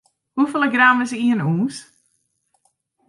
Hoefolle gram is ien ûns?